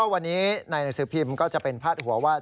วันนี้ในหนังสือพิมพ์ก็จะเป็นพาดหัวว่า